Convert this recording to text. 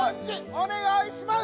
おねがいします！